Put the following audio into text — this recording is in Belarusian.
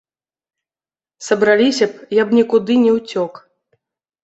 Сабраліся б, я б нікуды не ўцёк.